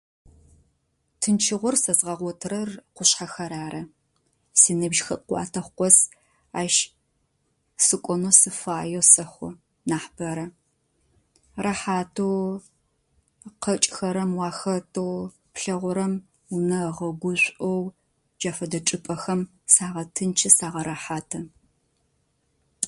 Тынчыгъор сэзгъэгъотырэр къушъхьэхэр ары. Синыбжь хэкӏуатэ хъу къэс ащ сыкӏонэу сыфаеу сэхъу нахьыбэрэ. Рэхьатэу, къэкӏхэрэм уахэтэу, плъэгъурэм унэ ыгъэгушӏоу - джа фэдэ чӏыпӏэхэм сагъэтынчы, сагъэрэхьаты.